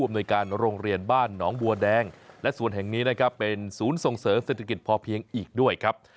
ในการโรงเรียนบ้านหนองบัวแดงและสวนแห่งนี้นะครับเป็นศูนย์ส่งเสริมเศรษฐกิจพอเพียงอีกด้วยครับ